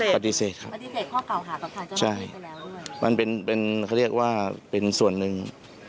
ปฏิเสธครับปฏิเสธครับใช่มันเป็นเรียกว่าเป็นส่วนหนึ่ง